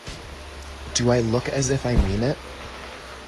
Do I look as if I mean it?